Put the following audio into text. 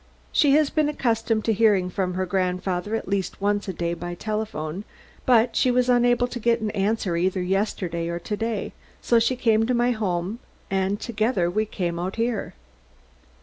She has been accustomed to hearing from her grandfather at least once a day by telephone, but she was unable to get an answer either yesterday or to day, so she came to my home, and together we came out here."